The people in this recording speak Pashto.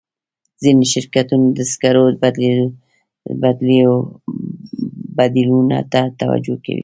ځینې شرکتونه د سکرو بدیلونو ته توجه کوي.